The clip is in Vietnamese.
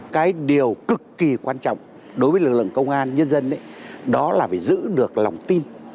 cái điều cực kỳ quan trọng đối với lực lượng công an nhân dân đó là phải giữ được lòng tin